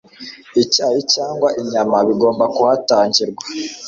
icyayi cyangwa inyama bigomba kuhatangirwa